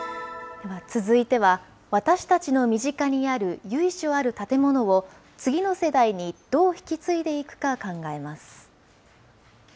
では続いては、私たちの身近にある由緒ある建物を次の世代にどう引き継いでいくか考えます。